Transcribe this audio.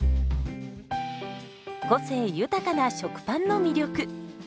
個性豊かな食パンの魅力。